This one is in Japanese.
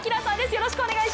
よろしくお願いします。